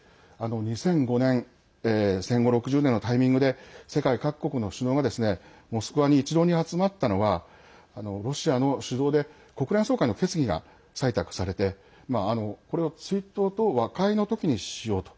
２００５年戦後６０年のタイミングで世界各国の首脳がモスクワに一堂に集まったのはロシアの主導で国連総会の決議が採択されてこれを追悼と和解のときにしようと。